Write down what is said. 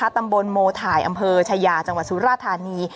ตำบลโมถ่ายอำเภอชายาจังหวัดสุราธานี